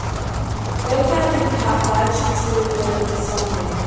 Baker added a cat badge to the ensemble.